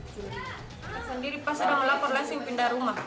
tersendiri pas sudah melaporkan langsung pindah rumah